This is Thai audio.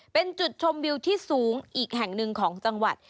เป็นจุดชมวิวที่สูงอีกแห่งหนึ่งของจังหวัด